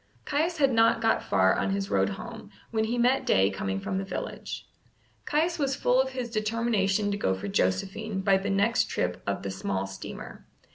Caius had not got far on his road home, when he met Day coming from the village. Caius was full of his determination to go for Josephine by the next trip of the small steamer.